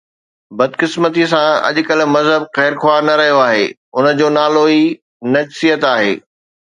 بدقسمتيءَ سان اڄ ڪلهه مذهب خيرخواهه نه رهيو آهي، ان جو نالو ئي نجسيت آهي.